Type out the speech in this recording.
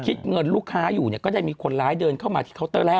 คิดเงินลูกค้าอยู่เนี่ยก็ได้มีคนร้ายเดินเข้ามาที่เคาน์เตอร์แรก